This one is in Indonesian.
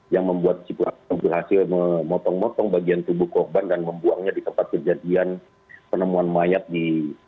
yang membuat si pelaku berhasil memotong motong bagian tubuh korban dan membuangnya di tempat kejadian penemuan mayat di